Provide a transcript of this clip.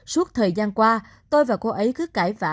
suốt thời gian qua tôi và cô ấy cứ cãi vã